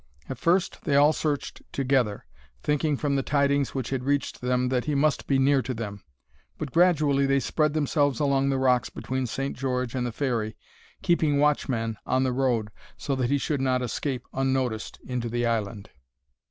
At first they all searched together, thinking from the tidings which had reached them that he must be near to them; but gradually they spread themselves along the rocks between St. George and the ferry, keeping watchman on the road, so that he should not escape unnoticed into the island.